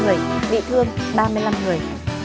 năm mươi bốn người bị thương ba mươi năm người